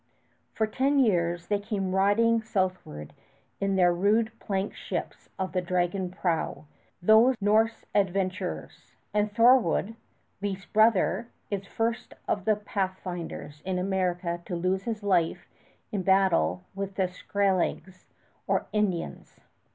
For ten years they came riding southward in their rude planked ships of the dragon prow, those Norse adventurers; and Thorwald, Leif's brother, is first of the pathfinders in America to lose his life in battle with the "Skraelings" or Indians.